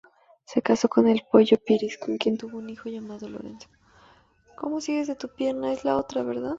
Se casó con el "Pollo" Píriz, con quien tuvo un hijo, llamado Lorenzo.